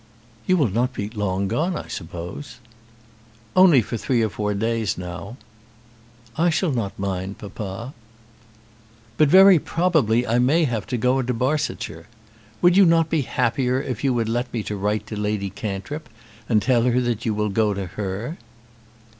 "You will not be long gone, I suppose?" "Only for three or four days now." "I shall not mind that, papa." "But very probably I may have to go into Barsetshire. Would you not be happier if you would let me write to Lady Cantrip, and tell her that you will go to her?"